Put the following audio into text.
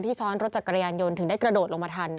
ซ้อนรถจักรยานยนต์ถึงได้กระโดดลงมาทัน